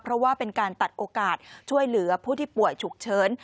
เพราะว่าเป็นการตัดโอกาสช่วยเหลือผู้ที่ป่วยฉุกเฉิน